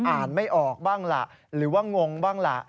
อ่านไม่ออกบ้างล่ะหรือว่างงบ้างล่ะ